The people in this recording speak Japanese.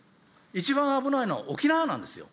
一番危ないのは沖縄なんですよ。